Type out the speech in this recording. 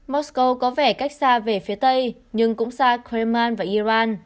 moscow có vẻ cách xa về phía tây nhưng cũng xa kremlin và iran